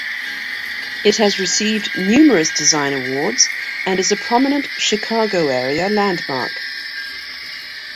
It has received numerous design awards, and is a prominent Chicago-area landmark.